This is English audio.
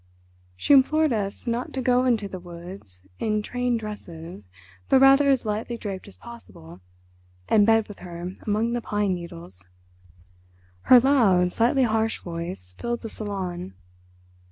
She implored us not to go into the woods in trained dresses, but rather as lightly draped as possible, and bed with her among the pine needles. Her loud, slightly harsh voice filled the salon.